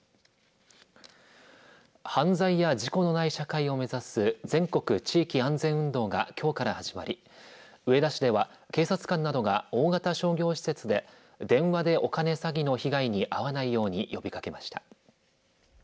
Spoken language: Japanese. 犯罪や事故のない社会を目指す全国地域安全運動がきょうから始まり上田市では警察官などが大型商業施設で電話でお金詐欺の被害に遭わないように呼びかけました。